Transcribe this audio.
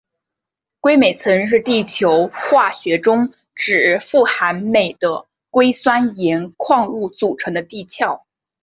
硅镁层是地球化学中指富含镁的硅酸盐矿物组成的地壳。